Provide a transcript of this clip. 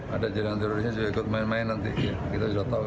ada jaringan terorisnya juga ikut main main nanti kita sudah tahu